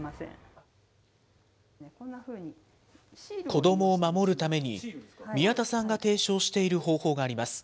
子どもを守るために、宮田さんが提唱している方法があります。